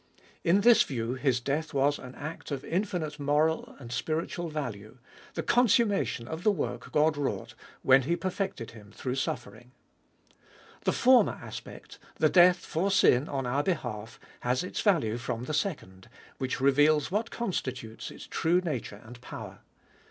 In this view His death was an act of infinite moral and spiritual value, — the consummation of the work God wrought when He perfected Him through suffering. The former aspect, the death for sin on our behalf, has its value from the second, which reveals what constitutes its true nature and power.